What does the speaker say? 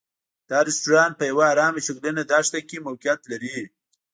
دا رسټورانټ په یوه ارامه شګلنه دښته کې موقعیت لري.